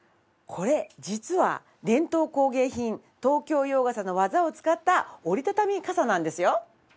これ実は伝統工芸品東京洋傘の技を使った折り畳み傘なんですよ。